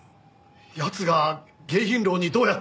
奴が迎賓楼にどうやって？